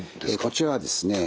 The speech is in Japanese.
こちらはですね